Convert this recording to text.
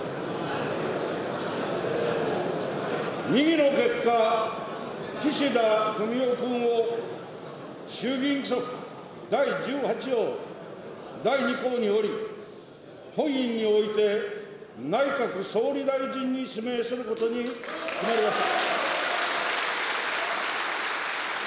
右の結果、岸田文雄君を衆議院規則第１８条第２項により、本院において内閣総理大臣に指名することに決まりました。